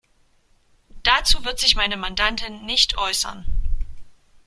Dazu wird sich meine Mandantin nicht äußern.